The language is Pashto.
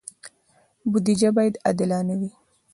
بودجه باید عادلانه وي